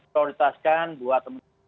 prioritaskan buat teman teman